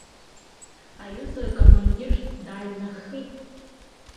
Аҩыза акомандир дааҩнаххит!